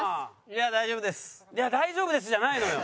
いや「大丈夫です」じゃないのよ。